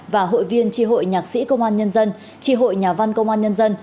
và hội viên tri hội nhạc sĩ công an nhân dân tri hội nhà văn công an nhân dân